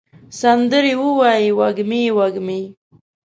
سندرې ووایې وږمې، وږمې